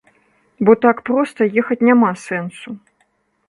Бо так проста ехаць няма сэнсу.